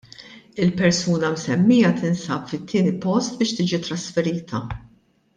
Il-persuna msemmija tinsab fit-tieni post biex tiġi trasferita.